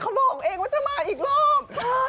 หลอกเองว่าจะมาอีกรอบ